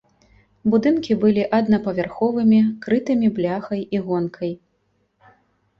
Будынкі былі аднапавярховымі, крытымі бляхай і гонкай.